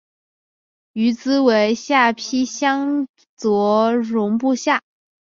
于兹为下邳相笮融部下。